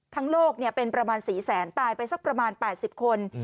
โลกเป็นประมาณ๔แสนตายไปสักประมาณ๘๐คน